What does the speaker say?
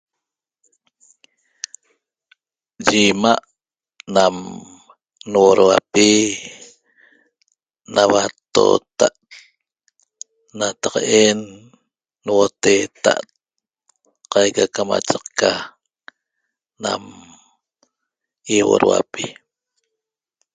Yi 'ima' nam nuoduapi nauattoota't nataq'en nuoteeta't qaica camachaqca nam ýiuoduapi